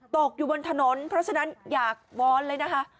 ตกอยู่บนถนนเพราะฉะนั้นอยากวอนเลยนะคะ